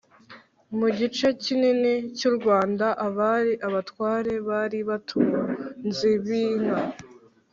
mu gice kinini cy'u rwanda abari abatware bari abatunzi binka